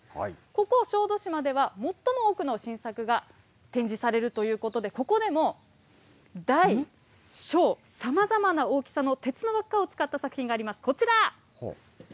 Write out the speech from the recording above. ここ、小豆島では最も多くの新作が展示されるということで、ここでも、大、小、さまざまな大きさの鉄の輪っかを使った作品があります、こちら。